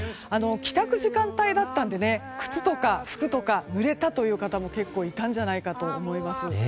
帰宅時間帯だったんで靴とか服とか濡れたという方も結構いたんじゃないかと思います。